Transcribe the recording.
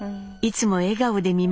いつも笑顔で